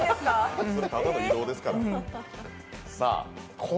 ただの移動ですから。